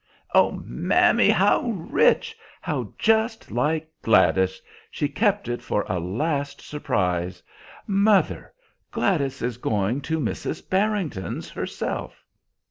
"Oh, mammy, how rich! How just like Gladys! She kept it for a last surprise! Mother, Gladys is going to Mrs. Barrington's herself."